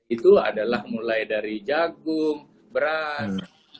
itu adalah mulai dari jagung beras